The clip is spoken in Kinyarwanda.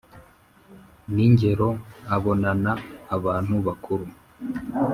n’ingero abonana abantu bakuru